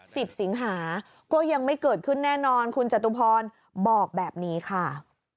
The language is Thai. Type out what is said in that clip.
สิงหาก็ยังไม่เกิดขึ้นแน่นอนคุณจตุพรบอกแบบนี้ค่ะ